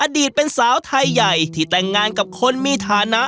อดีตเป็นสาวไทยใหญ่ที่แต่งงานกับคนมีฐานะ